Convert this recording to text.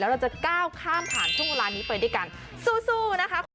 แล้วเราจะก้าวข้ามผ่านช่วงร้านนี้เปิดด้วยกันสู้นะคะ